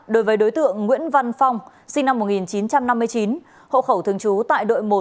đối với đối tượng nguyễn văn phong sinh năm một nghìn chín trăm năm mươi chín hộ khẩu thường trú tại đội một